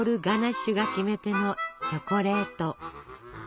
ガナッシュがキメテのチョコレート。